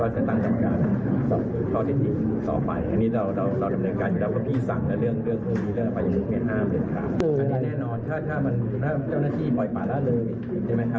เจ้าหน้าที่ปล่อยปากละเลย